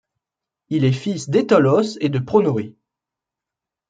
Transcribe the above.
Il est fils d’Étolos et de Pronoé.